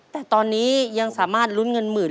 แต่ตอนนี้ยังสามารถลุ้นเงินหมื่น